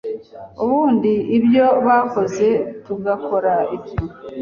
Ubundi ibyo bakoze tugakora ibyo,